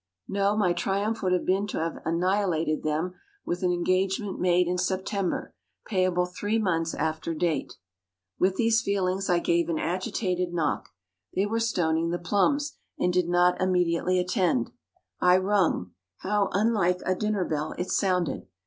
No: my triumph would have been to have annihilated them with an engagement made in September, payable three months after date. With these feelings, I gave an agitated knock they were stoning the plums, and did not immediately attend. I rung how unlike a dinner bell it sounded!